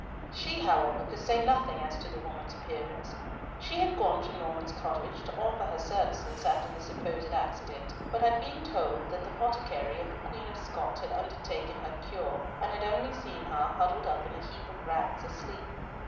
She, however, could say nothing as to the woman's appearance. She had gone to Norman's cottage to offer her services after the supposed accident, but had been told that the potticary of the Queen of Scots had undertaken her cure, and had only seen her huddled up in a heap of rags, asleep.